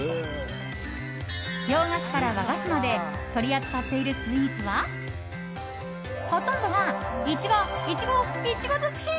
洋菓子から和菓子まで取り扱っているスイーツはほとんどがイチゴ、イチゴイチゴ尽くし！